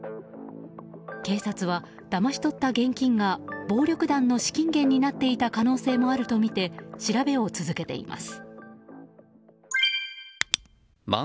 警察は、だまし取った現金が暴力団の資金源になっていた可能性もあるとみて調べを続けています。